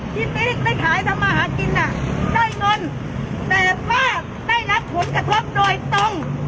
ติ๊กได้ขายทำมาหากินน่ะได้เงินแต่ถ้าได้รับผลกระทบโดยตรง